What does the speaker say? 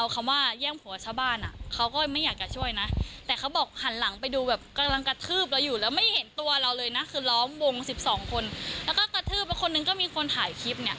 คือไม่ช่วยก็ไม่ได้ถ้าไม่ช่วยก็คงตาย